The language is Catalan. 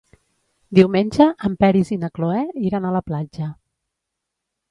Diumenge en Peris i na Cloè iran a la platja.